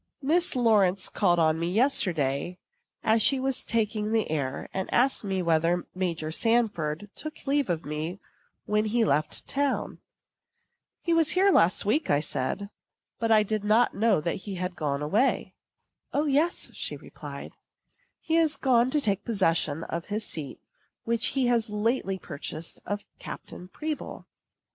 Miss Lawrence called on me yesterday, as she was taking the air, and asked me whether Major Sanford took leave of me when he left town. "He was here last week," said I, "but I did not know that he was gone away." "O, yes," she replied, "he is gone to take possession of his seat which he has lately purchased of Captain Pribble.